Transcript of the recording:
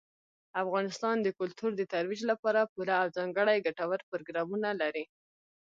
افغانستان د کلتور د ترویج لپاره پوره او ځانګړي ګټور پروګرامونه لري.